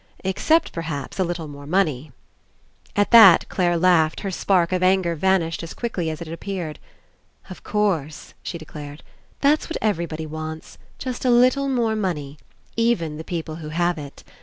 Except, perhaps, a little more money." At that Clare laughed, her spark of anger vanished as quickly as it had appeared. "Of course," she declared, "that's what every body wants, just a little more money, even the people who have it.